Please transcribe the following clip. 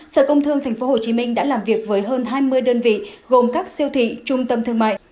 sở công thương tp hcm đã làm việc với hơn hai mươi đơn vị gồm các siêu thị trung tâm thương mại